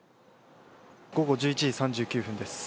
午後１１時３９分です。